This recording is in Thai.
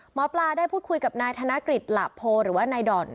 หมอปลาได้พูดคุยกับนายธนกฤษหละโพหรือว่านายด่อน